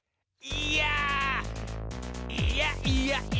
いやいやいや！